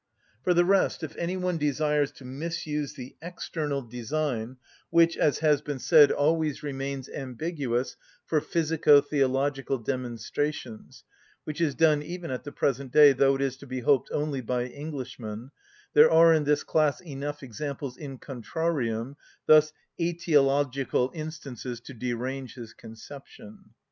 For the rest, if any one desires to misuse the external design, which, as has been said, always remains ambiguous for physico‐theological demonstrations, which is done even at the present day, though it is to be hoped only by Englishmen, there are in this class enough examples in contrarium, thus ateleological instances, to derange his conception.